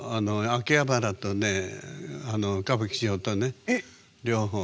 秋葉原とね歌舞伎町とね両方。